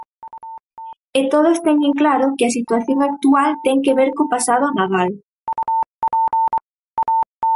E todos teñen claro que a situación actual ten que ver co pasado Nadal.